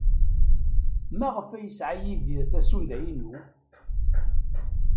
Maɣef ay yeɛṣa Yidir tasunḍa-inu?